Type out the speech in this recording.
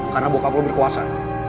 karena bokap lo berkuasa